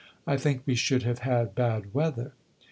"I think we should have had bad weather."